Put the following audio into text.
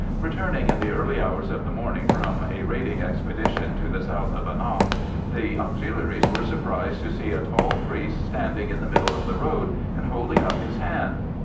Returning in the early hours of the morning from a raiding expedition to the south of Annagh, the Auxiliaries were surprised to see a tall priest standing in the middle of the road and holding up his hand.